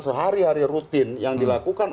sehari hari rutin yang dilakukan